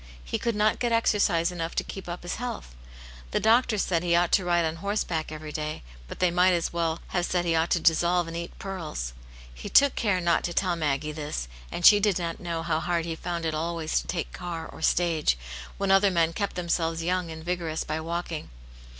He could not get exercise enough to keep up his health. The doctors said he ought to ride on horseback every day, but they might as well have said he ought to dissolve and eat pearls. He took care not to tell Maggie this, and she di^ not know how hard he found it always to take car or stage, when other men kept themselves young and vigorous by walking.